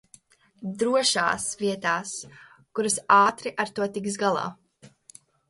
"drošās" vietās, kuras ātri ar to tiks galā.